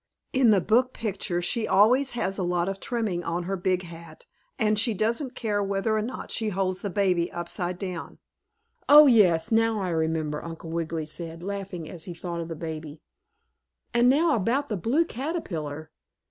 In the book picture she always has a lot of trimming on her big hat, and she doesn't care whether or not she holds the baby upside down." "Oh, yes, now I remember," Uncle Wiggily said, laughing as he thought of the baby. "And now about the Blue Caterpillar?"